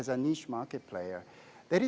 sebagai pemain pasar yang berwarna warni